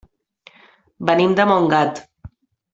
Venim de Montgat.